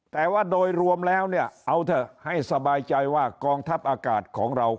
แต่ว่าโดยรวมแล้วเนี่ยเอาเถอะให้สบายใจว่ากองทัพอากาศของเรา